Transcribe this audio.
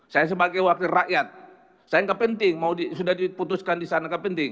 saya sebagai wakil rakyat saya enggak penting sudah diputuskan disana enggak penting